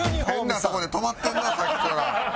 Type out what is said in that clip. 変なとこで止まってんなさっきから。